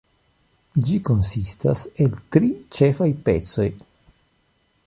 Ĝi konsistas el tri ĉefaj pecoj.